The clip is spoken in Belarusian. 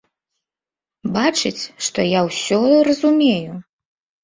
Бачыць, што я ўсё разумею.